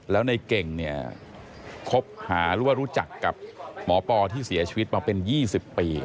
แล้วในเก่งเนี่ยคบหาหรือว่ารู้จักกับหมอปอที่เสียชีวิตมาเป็น๒๐ปี